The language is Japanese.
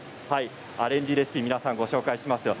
アレンジレシピをご紹介しますよ。